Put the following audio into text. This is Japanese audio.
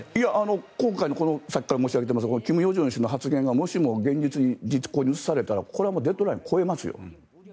今回のさっきから申し上げてますが金与正氏の発言がもし現実に実行に移されたらこれはデッドラインを越えますよ。